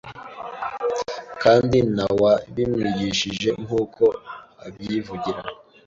kandi ntawabimwigishije nkuko abyivugira,